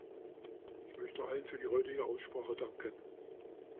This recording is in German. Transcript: Ich möchte allen für die heutige Aussprache danken.